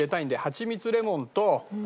はちみつレモンと？